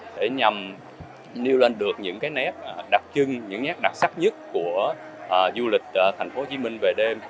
để nhằm nêu lên được những nét đặc trưng những nét đặc sắc nhất của du lịch thành phố hồ chí minh về đêm